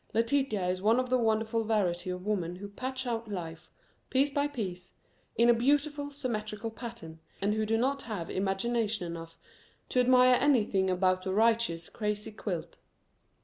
Letitia is one of the wonderful variety of women who patch out life, piece by piece, in a beautiful symmetrical pattern and who do not have imagination enough to admire anything about a riotous crazy quilt.